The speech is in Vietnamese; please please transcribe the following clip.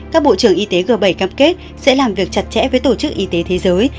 các bộ trưởng y tế g bảy cam kết sẽ làm việc chặt chẽ với tổ chức y tế thế giới